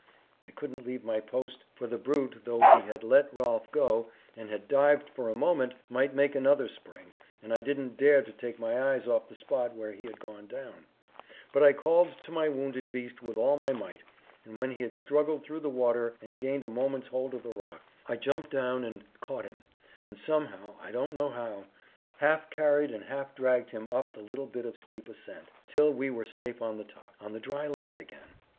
I couldn't leave my post, for the brute, though he had let Rolf go, and had dived for a moment, might make another spring, and I didn't dare to take my eyes off the spot where he had gone down; but I called to my wounded beast with all my might, and when he had struggled through the water and gained a moment's hold of the rock, I jumped down and caught him, and somehow I don't know how half carried and half dragged him up the little bit of steep ascent, till we were safe on the top, on the dry land again.